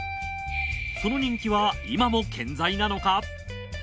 その人気は今も健在なのか？